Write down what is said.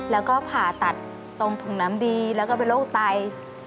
แล้วก็ผ่าตัดตรงถุงน้ำดีแล้วก็เป็นโรคไต